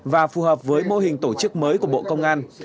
và phù hợp với mô hình tổ chức mới của bộ công an